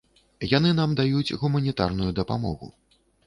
Яны нам даюць гуманітарную дапамогу.